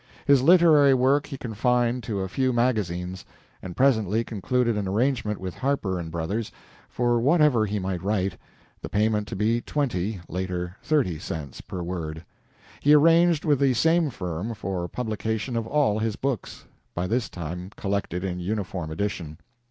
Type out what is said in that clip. His literary work he confined to a few magazines, and presently concluded an arrangement with "Harper & Brothers" for whatever he might write, the payment to be twenty (later thirty) cents per word. He arranged with the same firm for the publication of all his books, by this time collected in uniform edition.